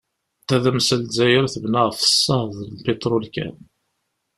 Tadamsa n Lezzayer tebna ɣef ṣṣehd n piṭrul kan.